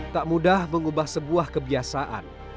tak mudah mengubah sebuah kebiasaan